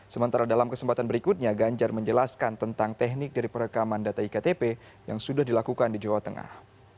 sementara dalam kesempatan berikutnya ganjar menjelaskan tentang teknik dari perekaman data iktp yang sudah dilakukan di jawa tengah